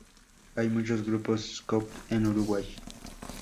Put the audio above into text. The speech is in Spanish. Hay muchos grupos scout en Uruguay.